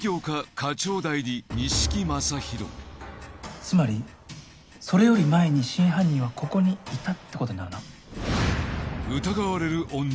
つまりそれより前に真犯人はここにいたって事になるな。